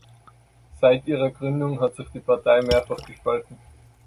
Seit ihrer Gründung hat sich die Partei mehrfach gespalten.